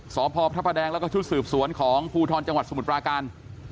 สพพระประแดงแล้วก็ชุดสืบสวนของภูทรจังหวัดสมุทรปราการ